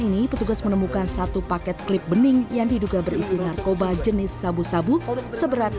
ini petugas menemukan satu paket klip bening yang diduga berisi narkoba jenis sabu sabu seberat